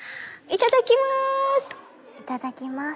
いただきます！